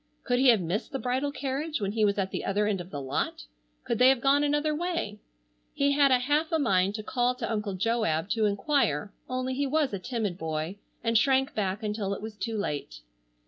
Could he have missed the bridal carriage when he was at the other end of the lot? Could they have gone another way? He had a half a mind to call to Uncle Joab to enquire only he was a timid boy and shrank back until it was too late.